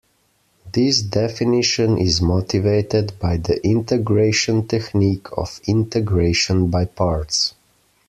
This definition is motivated by the integration technique of Integration by parts.